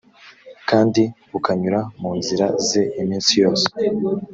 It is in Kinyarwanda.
kandi ukanyura mu nzira ze iminsi yose